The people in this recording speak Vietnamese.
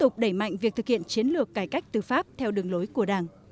chiến lược cải cách tư pháp theo đường lối của đảng